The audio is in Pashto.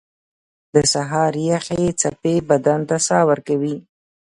• د سهار یخې څپې بدن ته ساه ورکوي.